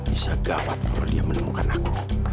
bisa gawat kalau dia menemukan aku